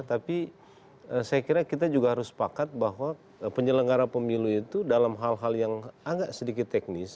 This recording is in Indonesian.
tapi saya kira kita juga harus sepakat bahwa penyelenggara pemilu itu dalam hal hal yang agak sedikit teknis